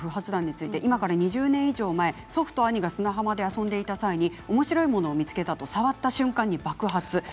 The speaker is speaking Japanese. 今から２０年以上前祖父と兄が砂浜で遊んでいたときおもしろいもの見つけたと触った瞬間、爆発しました。